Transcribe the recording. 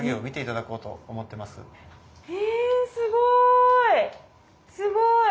すごい！